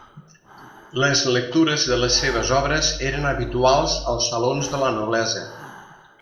Les lectures de les seves obres eren habituals als salons de la noblesa.